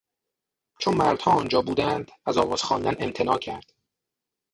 چون مردها آنجا بودند از آواز خواندن امتناع کرد.